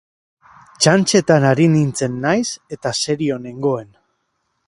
Txantxetan ari nintzen naiz eta serio nengoen.